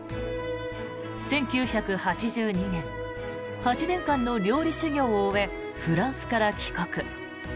１９８２年８年間の料理修行を終えフランスから帰国。